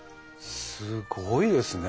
すごいですね。